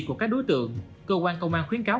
của các đối tượng cơ quan công an khuyến cáo